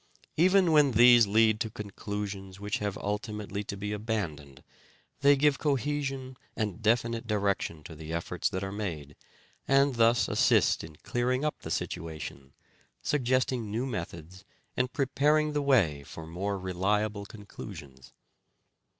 Even when these lead to conclusions which have ultimately to be abandoned they give cohesion and definite direction to the efforts that are made, and thus assist in clearing up the situation, suggesting new methods, and preparing the way for more reliable conclusions.